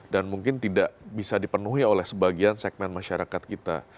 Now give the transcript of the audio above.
dan mungkin tidak bisa dipenuhi oleh sebagian segmen masyarakat kita